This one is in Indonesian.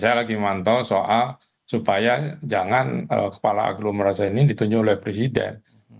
saya lagi mantau soal supaya jangan kepala aglomerasi ini ditunjuk oleh presiden